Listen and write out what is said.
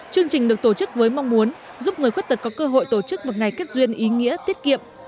chương trình được tổ chức với mong muốn giúp người khuyết tật có cơ hội tổ chức một ngày kết duyên ý nghĩa tiết kiệm